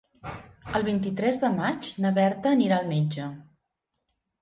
El vint-i-tres de maig na Berta anirà al metge.